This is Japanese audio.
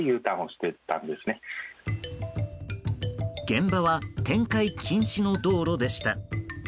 現場は転回禁止の道路でした。